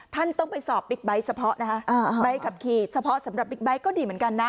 ท่านต้องไปสอบบิ๊กไบท์เฉพาะนะคะใบขับขี่เฉพาะสำหรับบิ๊กไบท์ก็ดีเหมือนกันนะ